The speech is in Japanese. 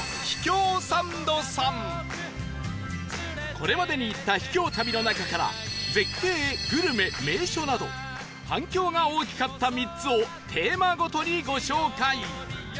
これまでに行った秘境旅の中から絶景グルメ名所など反響が大きかった３つをテーマごとにご紹介